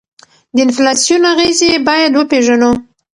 د انفلاسیون اغیزې باید وپیژنو.